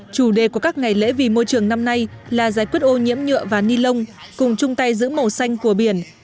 chủ đề của các ngày lễ vì môi trường năm nay là giải quyết ô nhiễm nhựa và ni lông cùng chung tay giữ màu xanh của biển